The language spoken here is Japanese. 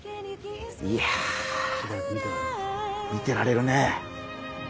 いや見てられるね。